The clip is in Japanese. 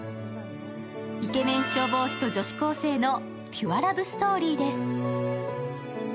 イケメン消防士と女子高生のピュアラブストーリーです。